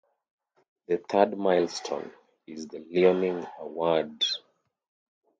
The third milestone is the Loening Award.